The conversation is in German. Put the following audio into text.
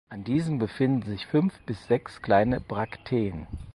An diesen befinden sich fünf bis sechs kleine Brakteen.